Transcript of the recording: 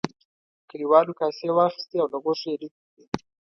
کليوالو کاسې واخیستې او له غوښو یې ډکې کړې.